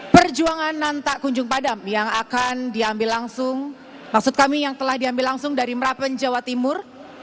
perjuangan nanta kunjung padam yang akan diambil langsung maksud kami yang telah diambil langsung dari merapen jawa timur